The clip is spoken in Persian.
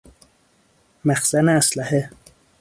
مخزن اسلحه